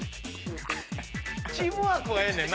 チームワークはええねんな。